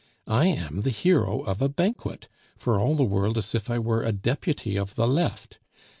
I am the hero of a banquet, for all the world as if I were a Deputy of the Left.